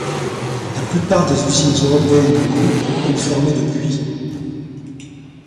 La plupart des usines européennes du groupe ont fermé depuis.